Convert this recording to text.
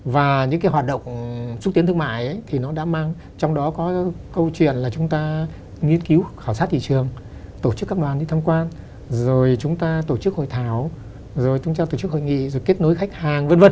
và những cái hoạt động xúc tiến thương mại thì nó đã mang trong đó có câu chuyện là chúng ta nghiên cứu khảo sát thị trường tổ chức các đoàn đi thăm quan rồi chúng ta tổ chức hội thảo rồi chúng ta tổ chức hội nghị rồi kết nối khách hàng v v